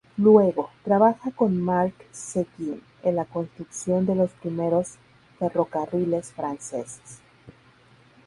Luego, trabaja con Marc Seguin en la construcción de los primeros ferrocarriles franceses.